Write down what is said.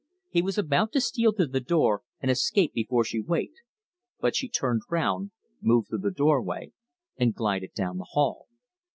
He was about to steal to the door and escape before she waked, but she turned round, moved through the doorway, and glided down the hall.